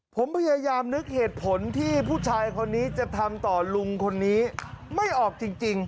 ผมพยายามนึกเหตุผลที่ผู้ชายคนนี้จะทำต่อลุงคนนี้ไม่ออกจริง